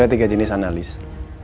ada tiga jenis analisis